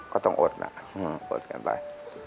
ก็ต้องอดนะอดกันไป